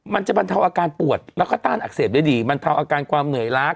มันจะบรรเทาอาการปวดแล้วก็ต้านอักเสบได้ดีบรรเทาอาการความเหนื่อยล้า